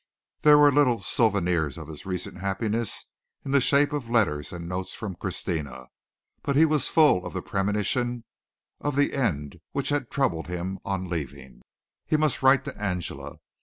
There were little souvenirs of his recent happiness in the shape of letters and notes from Christina, but he was full of the premonition of the end which had troubled him on leaving. He must write to Angela.